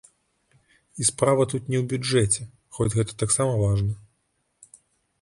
І справа тут не ў бюджэце, хоць гэта таксама важна.